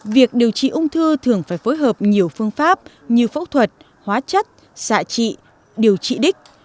việc điều trị ung thư thường phải phối hợp nhiều phương pháp như phẫu thuật hóa chất xạ trị điều trị đích